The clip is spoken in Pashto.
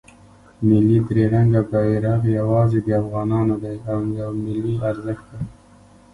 ملی درې رنګه بیرغ یواځې د افغانانو دی او یو ملی ارزښت دی.